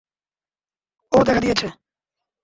ও দেখা দিয়েছে।